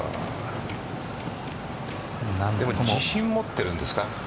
自信持ってるんですか。